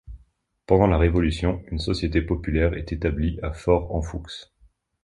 Pendant la Révolution, une société populaire est établie à Fox-Amphoux.